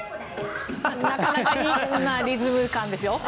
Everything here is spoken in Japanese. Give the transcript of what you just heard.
なかなかいいリズム感ですよ。